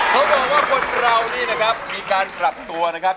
เขาบอกว่าคนเรานี่นะครับมีการปรับตัวนะครับ